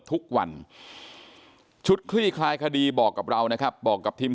ทุกวันชุดคลี่คลายคดีบอกกับเรานะครับบอกกับทีม